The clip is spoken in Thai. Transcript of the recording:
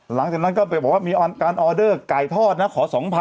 หลังจากนั้นก็ไปบอกว่ามีการออเดอร์ไก่ทอดนะขอ๒๐๐๐